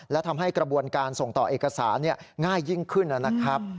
และทำให้กระบวนการส่งต่อเอกสารง่ายยิ่งขึ้นนะครับ